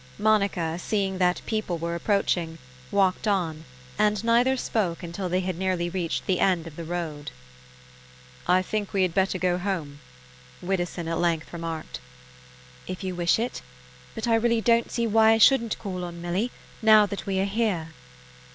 Monica, seeing that people were approaching, walked on, and neither spoke until they had nearly reached the end of the road. "I think we had better go home," Widdowson at length remarked. "If you wish it; but I really don't see why I shouldn't call on Milly, now that we are here."